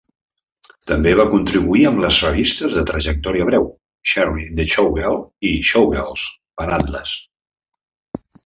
També va contribuir amb les revistes de trajectòria breu "Sherry the Showgirl" i "Showgirls" per a Atlas.